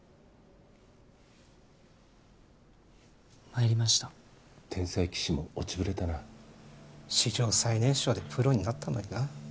参りました・天才棋士も落ちぶれたな史上最年少でプロになったのになあ